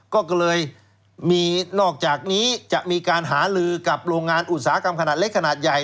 ก็เลยมีนอกจากนี้จะมีการหาลือกับโรงงานอุตสาหกรรมขนาดเล็กขนาดใหญ่